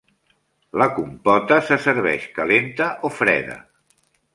La compota se serveix calenta o freda.